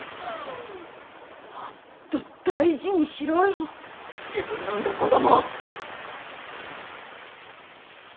もっと大事にしろよ自分の産んだ子供！